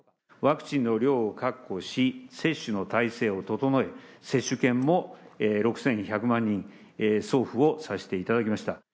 ワクチンの量を確保し、接種の体制を整え、接種券も６１００万人、送付をさせていただきました。